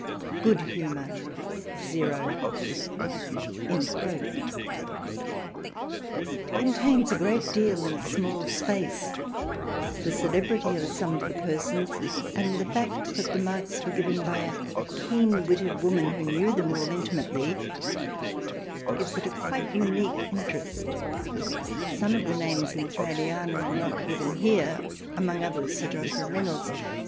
13 3 22 THRALIANA It contains a great deal in a small space, the celebrity of some of the persons and the fact that the marks were given by a keen witted woman who knew them all intimately, gives it a quite unique interest. Some of the names in Thraliana are not given here, among others Sir Joshua Reynolds.